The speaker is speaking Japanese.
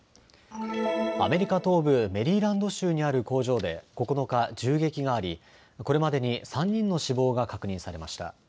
アメリカ東部メリーランド州にある工場で９日、銃撃がありこれまでに３人の死亡が確認されました。